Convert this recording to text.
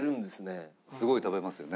すごい食べますよね。